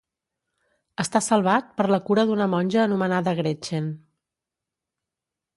Està salvat per la cura d'una monja anomenada Gretchen.